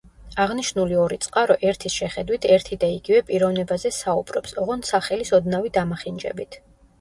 აღნიშნული ორი წყარო ერთის შეხედვით ერთი და იგივე პიროვნებაზე საუბრობს ოღონდ სახელის ოდნავი დამახინჯებით.